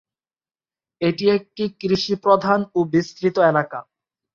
এটি একটি কৃষি প্রধান ও বিস্তৃত এলাকা।